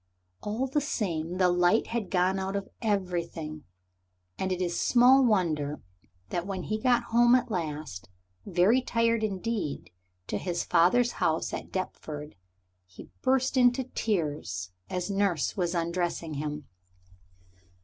All the same the light had gone out of everything, and it is small wonder that when he got home at last, very tired indeed, to his father's house at Deptford he burst into tears as nurse was undressing him.